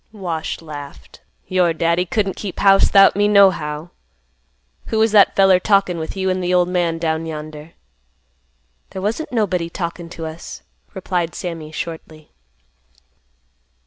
Wash laughed; "Your daddy couldn't keep house 'thout me, nohow. Who was that feller talkin' with you an' th' old man down yonder?" "There wasn't nobody talkin' to us," replied Sammy shortly.